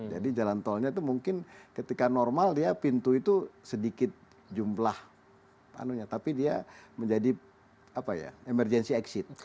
jadi jalan tolnya itu mungkin ketika normal pintu itu sedikit jumlah tapi dia menjadi emergency exit